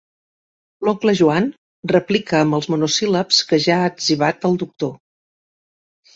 L'oncle Joan replica amb els monosíl·labs que ja ha etzibat al doctor.